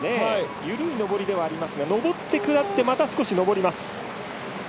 緩い上りではありますが上って下って、また上ります。